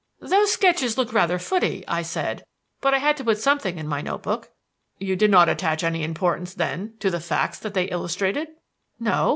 "Those sketches look rather footy," I said; "but I had to put something in my notebook." "You did not attach any importance, then, to the facts that they illustrated?" "No.